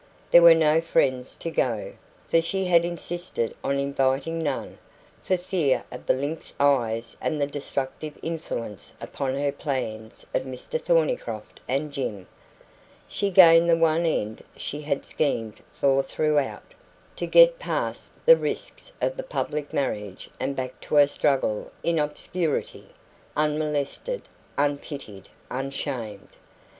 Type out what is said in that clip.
There were no friends to go, for she had insisted on inviting none for fear of the lynx eyes and the destructive influence upon her plans of Mr Thornycroft and Jim. She gained the one end she had schemed for throughout to get past the risks of the public marriage and back to her struggle in obscurity, unmolested, unpitied, unshamed.